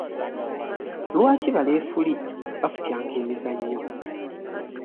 Lwaki ba lefuli bafutyanka emizannyo ?